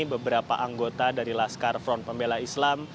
beberapa anggota dari laskar front pembela islam